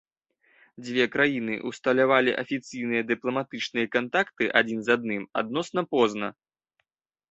Дзве краіны ўсталявалі афіцыйныя дыпламатычныя кантакты адзін з адным адносна позна.